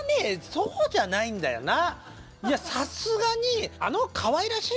そうじゃないんだよな。